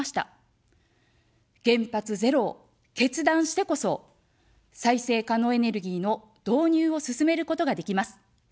原発ゼロを決断してこそ、再生可能エネルギーの導入を進めることができます。